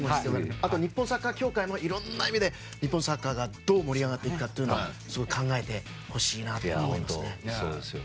あと日本サッカー協会もいろんな意味で日本サッカーがどう盛り上がっていくかは考えてほしいなと思います。